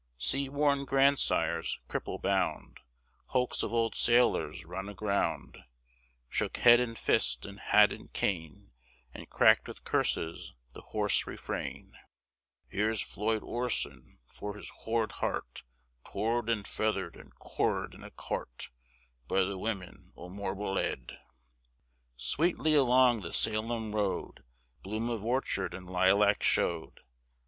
Sea worn grandsires, cripple bound, Hulks of old sailors run aground, Shook head, and fist, and hat, and cane, And cracked with curses the hoarse refrain: "Here's Flud Oirson, fur his horrd horrt, Torr'd an' futherr'd an' corr'd in a corrt By the women o' Morble'ead!" Sweetly along the Salem road Bloom of orchard and lilac showed.